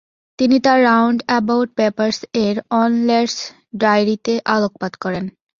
তিনি তার রাউন্ডঅ্যাবাউট পেপারস-এর "অন লেটস্স ডায়েরি"তে আলোকপাত করেন।